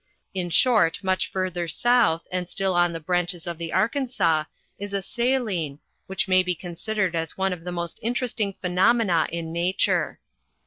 In short much further eouth, and still on the branches of the Arkansas, is a saline, which may be considered as one of the most interesting phe nomena in nature.